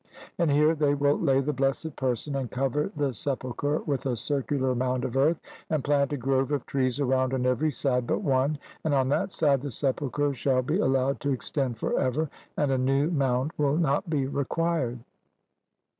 And here they will lay the blessed person, and cover the sepulchre with a circular mound of earth and plant a grove of trees around on every side but one; and on that side the sepulchre shall be allowed to extend for ever, and a new mound will not be required.